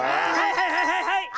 はいはいはいはい！